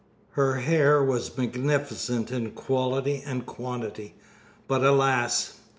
Her hair was magnificent in quality and quantity, but, alas!